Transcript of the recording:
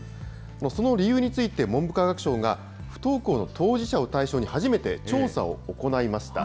その理由について、文部科学省が、不登校の当事者を対象に、初めて調査を行いました。